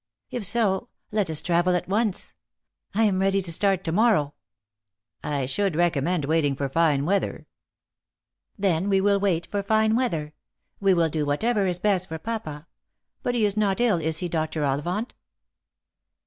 "If so, let us travel at once. 1 am ready to start to morrow." " I should recommend waiting for fine weather." 18 Ziott for Love. " Then we will wait for fine weather. We will do whatever is best for papa. But he is not ill, is he, Dr. Ollivant